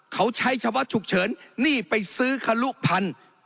เขาใช้เฉพาะฉุกเฉินนี่ไปซื้อทะลุพันธุ์